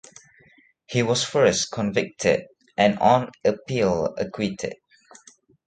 He was first convicted and on appeal acquitted.